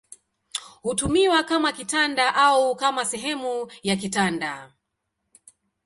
Hutumiwa kama kitanda au kama sehemu ya kitanda.